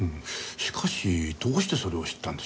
しかしどうしてそれを知ったんでしょう？